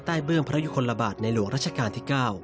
ใต้เบื้องพระอยุคลบาตรในหลวงราชการที่๙